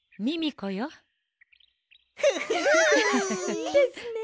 いいですね！